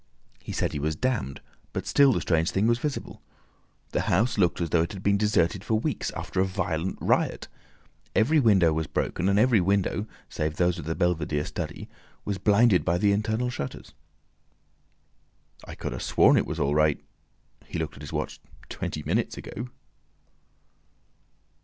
He said he was damned, but still the strange thing was visible. The house looked as though it had been deserted for weeks—after a violent riot. Every window was broken, and every window, save those of the belvedere study, was blinded by the internal shutters. "I could have sworn it was all right"—he looked at his watch—"twenty minutes ago."